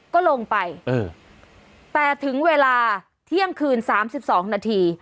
ก็ลงไปแต่ถึงเวลาเที่ยงคืน๓๒นาที